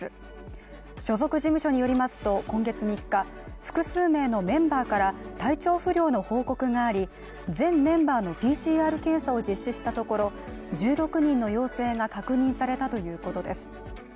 所属事務所によりますと、今月３日複数名のメンバーから体調不良の報告があり全メンバーのＰＣＲ検査を実施したところ１６人の陽性が確認されたということです。